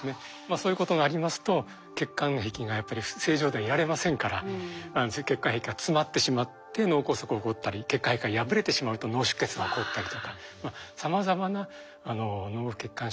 そういうことがありますと血管壁がやっぱり正常ではいられませんから血管壁が詰まってしまって脳梗塞起こったり血管壁が破れてしまうと脳出血が起こったりとかさまざまな脳血管障害が起こります。